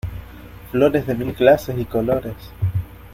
Flores de mil clases y colores.